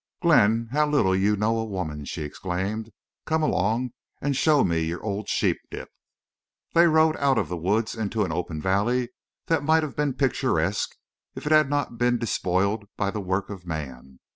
"Glenn, how little you know a woman!" she exclaimed. "Come along and show me your old sheep dip." They rode out of the woods into an open valley that might have been picturesque if it had not been despoiled by the work of man.